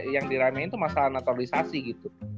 yang diramein itu masalah naturalisasi gitu